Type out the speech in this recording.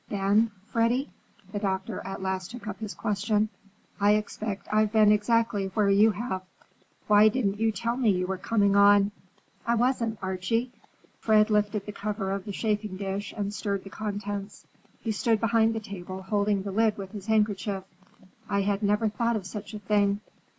"Been, Freddy?"—the doctor at last took up his question. "I expect I've been exactly where you have. Why didn't you tell me you were coming on?" "I wasn't, Archie." Fred lifted the cover of the chafingdish and stirred the contents. He stood behind the table, holding the lid with his handkerchief. "I had never thought of such a thing.